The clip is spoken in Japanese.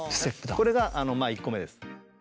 これが１個目です。